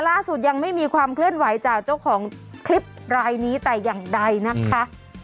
ล่าสุดยังไม่มีความเคลื่อนไหวจากเจ้าของคลิปรายนี้แต่อย่างใดนะคะ